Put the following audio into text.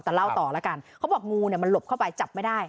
แต่เล่าต่อแล้วกันเขาบอกงูเนี่ยมันหลบเข้าไปจับไม่ได้